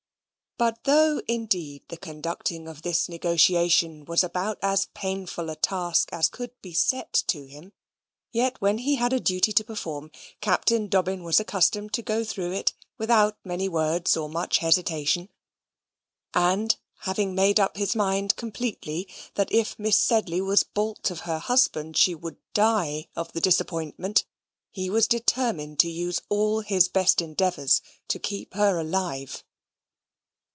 But though indeed the conducting of this negotiation was about as painful a task as could be set to him, yet when he had a duty to perform, Captain Dobbin was accustomed to go through it without many words or much hesitation: and, having made up his mind completely, that if Miss Sedley was balked of her husband she would die of the disappointment, he was determined to use all his best endeavours to keep her alive.